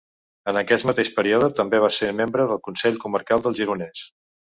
En aquest mateix període també va ser membre del Consell Comarcal del Gironès.